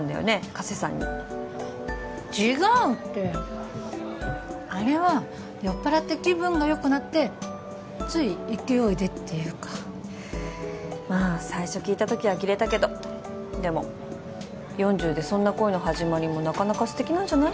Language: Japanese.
加瀬さんに違うってあれは酔っ払って気分がよくなってつい勢いでっていうかまあ最初聞いた時あきれたけどでも４０でそんな恋の始まりもなかなか素敵なんじゃない？